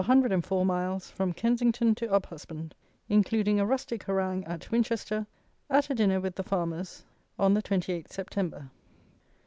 RURAL RIDE, OF 104 MILES, FROM KENSINGTON TO UPHUSBAND; INCLUDING A RUSTIC HARANGUE AT WINCHESTER, AT A DINNER WITH THE FARMERS, ON THE 28TH SEPTEMBER.